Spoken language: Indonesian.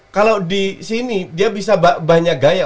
kalau di sini dia bisa banyak gaya